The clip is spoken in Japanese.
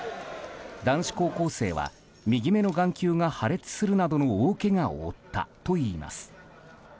男子高校生は右目の眼球が破裂するなどの大けがを負ったといいます。